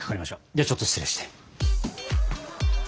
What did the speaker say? ではちょっと失礼して。